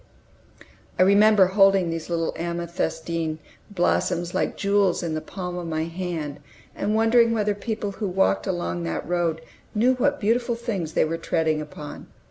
I remember holding these little amethystine blossoms like jewels in the palm of my hand, and wondering whether people who walked along that road knew what beautiful things they were treading upon.